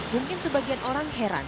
mungkin sebagian orang heran